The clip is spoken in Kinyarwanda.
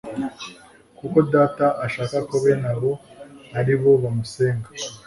kuko Data ashaka ko bene abo ari bo bamusenga.